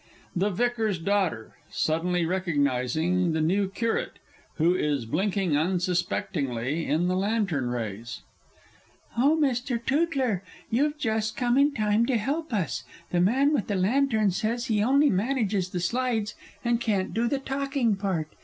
_ THE VICAR'S DAUGHTER (suddenly recognizing the New Curate, who is blinking unsuspectingly in the lantern rays). Oh, Mr. Tootler, you've just come in time to help us! The man with the lantern says he only manages the slides, and can't do the talking part.